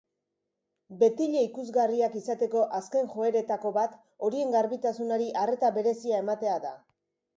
Betile ikusgarriak izateko azken joeretako bat horien garbitasunari arreta berezia ematea da.